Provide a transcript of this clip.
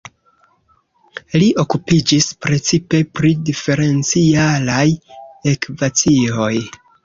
Li okupiĝis precipe pri diferencialaj ekvacioj.